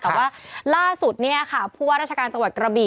แต่ว่าล่าสุดเนี่ยค่ะผู้ว่าราชการจังหวัดกระบี่